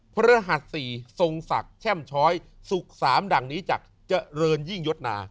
พระรหัส๔ทรงศักดิ์แช่มช้อยสุขสามดังนี้จากเจริญยิ่งยศนา